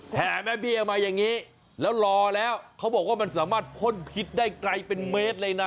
แห่แม่เบี้ยมาอย่างนี้แล้วรอแล้วเขาบอกว่ามันสามารถพ่นพิษได้ไกลเป็นเมตรเลยนะ